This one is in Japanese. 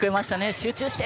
集中して！